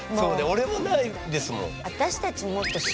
俺もないですもん。